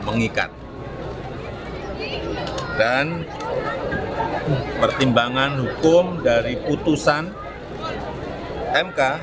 menurut jokowi pertimbangan hukum dari putusan mk